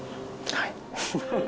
はい。